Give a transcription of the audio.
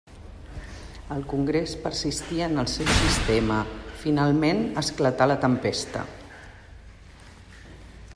El Congrés persistí en el seu sistema; finalment esclatà la tempesta.